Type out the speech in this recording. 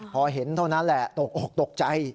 พอเห็นเท่านั้นแหละตกอกตกใจ